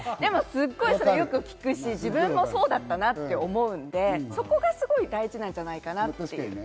すごくよく聞くし、自分もそうだったなって思うので、そこがすごい大事なんじゃないかなって。